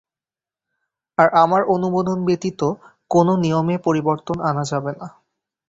আর আমার অনুমোদন ব্যতীত কোনো নিয়মে পরিবর্তন আনা যাবে না।